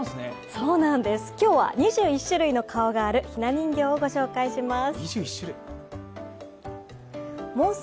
そうなんです、今日は２１種類の顔があるひな人形をご紹介します。